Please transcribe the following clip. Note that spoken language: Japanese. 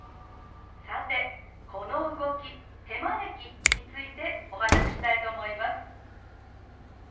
さてこの動き「手招き」についてお話ししたいと思います。